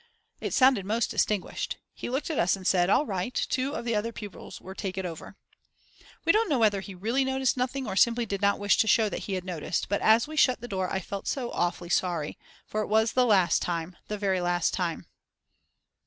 It sounded most distinguished. He looked at us and said: "All right, two of the other pupils will take it over." We don't know whether he really noticed nothing or simply did not wish to show that he had noticed. But as we shut the door I felt so awfully sorry; for it was the last time, the very last time.